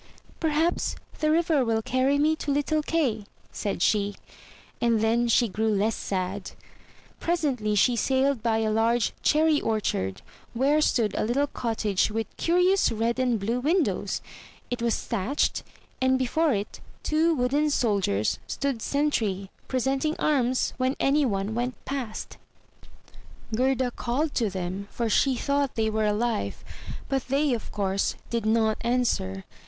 "Perhaps the river will carry me to little Kay," said she; and then she grew less sad. Presently she sailed by a large cherry orchard, where stood a little cottage with curious red and blue windows; it was thatched, and before it two wooden soldiers stood sentry, presenting arms when any one went past. 310 THROUGH FAIRY HALLS Gerda called to them, for she thought they were alive; but they, of course, did not answer.